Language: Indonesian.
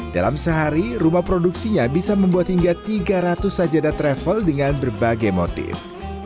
dalam sehari rumah produksinya bisa membuat hingga tiga ratus sajada travel dengan berbagai motif